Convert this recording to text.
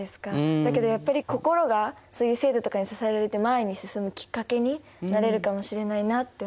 だけどやっぱり心がそういう制度とかに支えられて前に進むきっかけになれるかもしれないなって思いました。